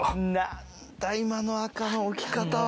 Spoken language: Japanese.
何だ今の赤の置き方は。